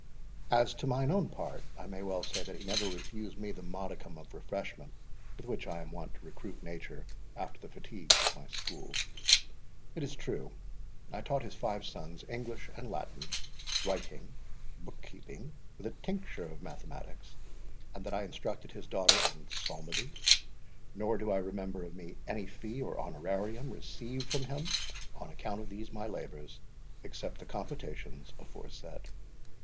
As to mine own part, I may well say, that he never refused me that modicum of refreshment with which I am wont to recruit nature after the fatigues of my school. It is true, I taught his five sons English and Latin, writing, book keeping, with a tincture of mathematics, and that I instructed his daughter in psalmody. Nor do I remember me of any fee or HONORARIUM received from him on account of these my labours, except the compotations aforesaid.